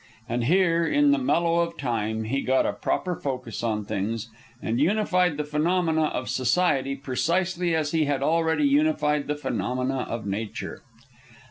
And here, in the mellow of time, he got a proper focus on things and unified the phenomena of society precisely as he had already unified the phenomena of nature.